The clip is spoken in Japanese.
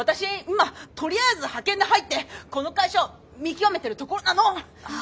今とりあえず派遣で入ってこの会社を見極めてるところなの！